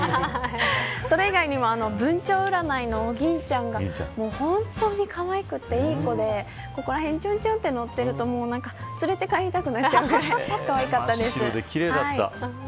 それ以外にも文鳥占いの銀ちゃんが本当にかわいくていい子でここらへんに、ちょんちょんとのっていると連れて帰りたくなっちゃいくらいかわいかったです。